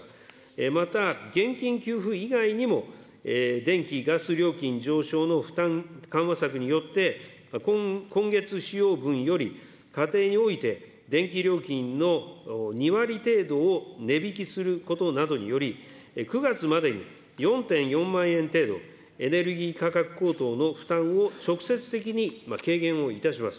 また、現金給付以外にも電気、ガス料金上昇の負担緩和策によって、今月使用分より、家庭において電気料金の２割程度を値引きすることなどにより、９月までに４．４万円程度、エネルギー価格高騰の負担を直接的に軽減をいたします。